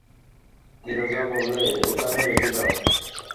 নীরজা বললে, ঐখানে রেখে যাও।